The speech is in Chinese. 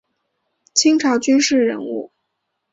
清朝军事人物。